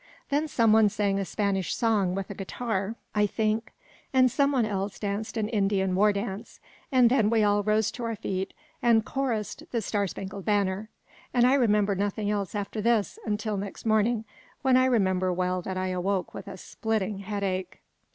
Then someone sang a Spanish song, with a guitar, I think, and someone else danced an Indian war dance; and then we all rose to our feet, and chorused the "Star spangled Banner"; and I remember nothing else after this, until next morning, when I remember well that I awoke with a splitting headache.